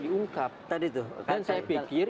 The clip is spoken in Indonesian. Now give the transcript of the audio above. diungkap tadi tuh kan saya pikir